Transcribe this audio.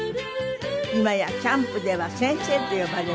今やキャンプでは「先生」と呼ばれるヒロシさん。